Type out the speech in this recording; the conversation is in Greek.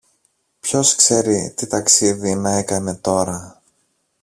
Ποιος ξέρει τι ταξίδι να έκανε τώρα